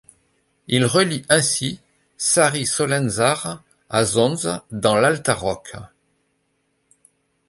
Il relie ainsi Sari-Solenzara à Zonza dans l'Alta Rocca.